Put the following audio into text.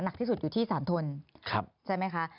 หนักที่สุดอยู่ที่สารทนใช่ไหมคะ